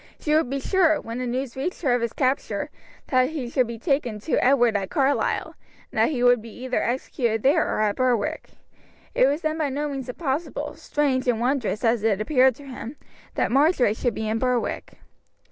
She would be sure, when the news reached her of his capture, that he would be taken to Edward at Carlisle, and that he would be either executed there or at Berwick. It was then by no means impossible, strange and wondrous as it appeared to him, that Marjory should be in Berwick.